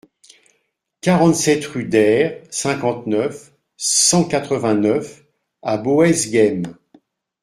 quarante-sept rue d'Aire, cinquante-neuf, cent quatre-vingt-neuf à Boëseghem